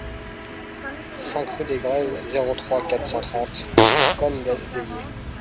cinq rue des Grèzes, zéro trois, quatre cent trente Cosne-d'Allier